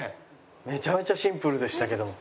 めちゃめちゃシンプルでしたけども。